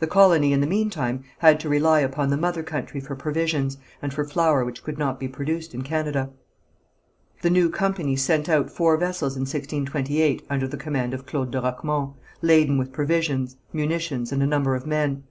The colony in the meantime had to rely upon the mother country for provisions, and for flour which could not be produced in Canada. The new company sent out four vessels in 1628 under the command of Claude de Roquemont, laden with provisions, munitions, and a number of men.